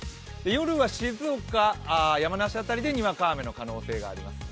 夜は静岡、山梨辺りでにわか雨の可能性があります。